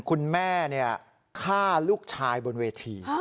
คุณแม่ฆ่าลูกชายบนเวที